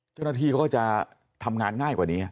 เจ้าหน้าที่เขาก็จะทำงานง่ายกว่านี้